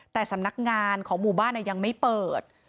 แต่สำนักงานของหมู่บ้านยังไม่เปิด